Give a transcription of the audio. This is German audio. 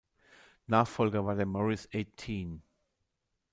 Nachfolger war der Morris Eighteen.